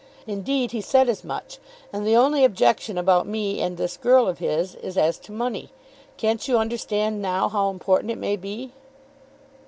Indeed he said as much, and the only objection about me and this girl of his is as to money. Can't you understand, now, how important it may be?"